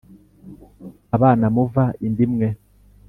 Abana muva inda imwe